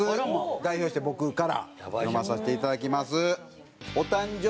代表して僕から読まさせていただきます。